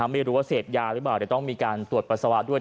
ไม่รู้ว่าเสพยาหรือเปล่าแต่ต้องมีการตรวจปัสสาวะด้วย